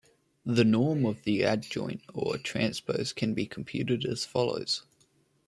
The norm of the adjoint or transpose can be computed as follows.